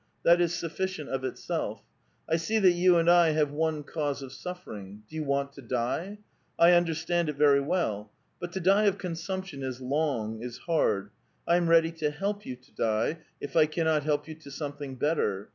That is suflScient of itself. I see that you and I have one cause of suffering. Do you want to die? I un derstand it very well. But to die of consumption is long, is hard ; I am ready to help you to die, if I cannot help you to something better.